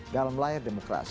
dalam layar demokrasi